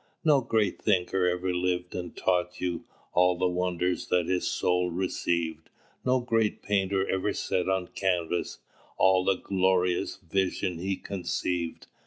"No great Thinker ever lived and taught you All the wonder that his soul received; No great Painter ever set on canvas All the glorious vision he conceived.